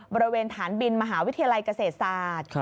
บริเวณฐานบินมหาวิทยาลัยเกษตรศาสตร์